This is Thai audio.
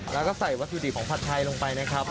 แล้วก็ใส่วัตถุดิบของผัดไทยลงไปนะครับ